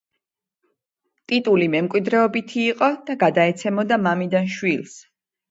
ტიტული მემკვიდრეობითი იყო და გადაეცემოდა მამიდან შვილს.